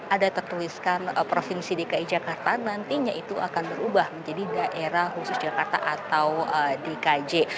ada tertuliskan provinsi dki jakarta nantinya itu akan berubah menjadi daerah khusus jakarta atau dkj